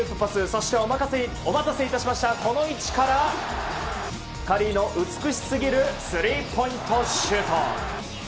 そしてお待たせいたしましたこの位置からカリーの美しすぎるスリーポイントシュート。